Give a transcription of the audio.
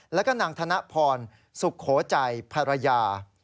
แล้วก็นางธนพรสุโขใจภรรยา